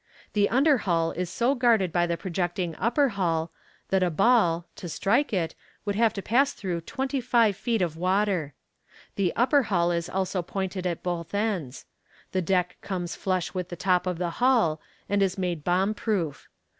The under hull is so guarded by the projecting upper hull, that a ball, to strike it, would have to pass through twenty five feet of water. The upper hull is also pointed at both ends. The deck comes flush with the top of the hull, and is made bomb proof.